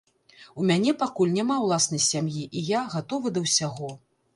У мяне пакуль няма ўласнай сям'і, і я гатовы да ўсяго.